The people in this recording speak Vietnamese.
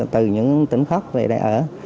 từ những tỉnh khắp về đây ở